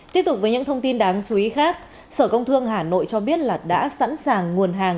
tiếp tục với những thông tin đáng chú ý khác sở công thương hà nội cho biết là đã sẵn sàng nguồn hàng